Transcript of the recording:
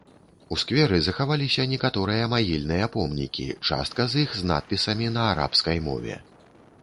У скверы захаваліся некаторыя магільныя помнікі, частка з іх з надпісамі на арабскай мове.